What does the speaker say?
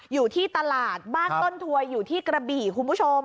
อยู่ที่ตลาดบ้านต้นถวยอยู่ที่กระบี่คุณผู้ชม